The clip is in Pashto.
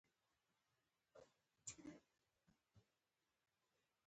ایا ماشوم مو ټوخی لري؟